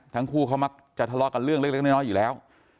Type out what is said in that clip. ทั้งคู่เขามักจะทะเลาะกันเรื่องเล็กน้อยอยู่แล้ว